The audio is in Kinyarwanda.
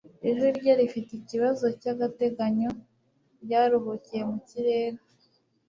Ijwi rye rifite ikibazo cyagateganyo ryaruhukiye mu kirere